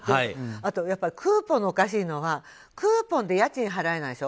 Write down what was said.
あとクーポンがおかしいのはクーポンで家賃払えないでしょ。